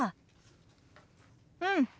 うん。